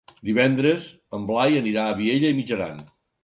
Divendres en Blai anirà a Vielha e Mijaran.